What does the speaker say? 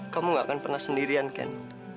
kamu gak akan pernah sendirian ken